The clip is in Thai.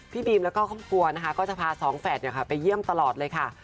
บีมแล้วก็ครอบครัวนะคะก็จะพาสองแฝดไปเยี่ยมตลอดเลยค่ะ